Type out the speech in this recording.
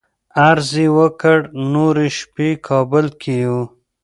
عرض یې وکړ نورې شپې کابل کې یو.